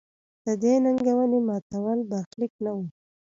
د دې ننګونې ماتول برخلیک نه و.